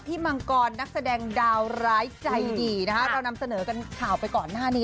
มังกรนักแสดงดาวร้ายใจดีนะคะเรานำเสนอกันข่าวไปก่อนหน้านี้